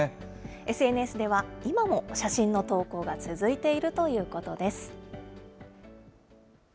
ＳＮＳでは今も写真の投稿が続いているということです。